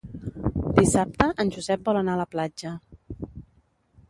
Dissabte en Josep vol anar a la platja.